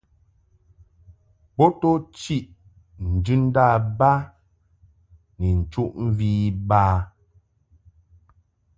Bo to chiʼ njɨndâ ba ni nchuʼmvi iba.